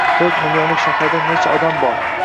To‘rt millionlik shaharda nechta odam bor.